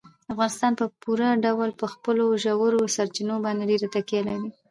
افغانستان په پوره ډول په خپلو ژورو سرچینو باندې ډېره تکیه لري.